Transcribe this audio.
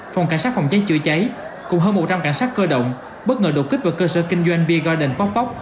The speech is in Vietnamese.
phòng cảnh sát phòng cháy chữa cháy cùng hơn một trăm linh cảnh sát cơ động bất ngờ đột kích vào cơ sở kinh doanh beer garden poc poc